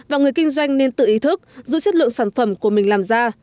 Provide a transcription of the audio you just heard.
và người kinh doanh nên tự ý thức giữ chất lượng sản phẩm của mình làm ra